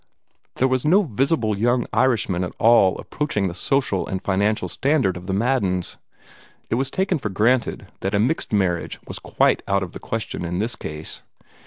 There was no visible young Irishman at all approaching the social and financial standard of the Maddens; it was taken for granted that a mixed marriage was quite out of the question in this case.